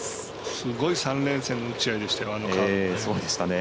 すごい３連戦の打ち合いでしたよ。